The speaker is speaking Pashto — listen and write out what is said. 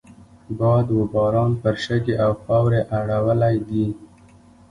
باد و باران پرې شګې او خاورې اړولی دي.